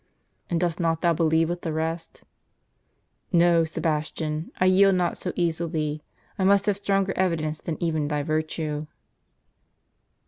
" And dost not thou believe with the rest ?"" No, Sebastian, I yield not so easily; I must have stronger evidences than even thy virtue."